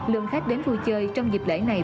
lượng khách đến vui chơi trong dịp lễ này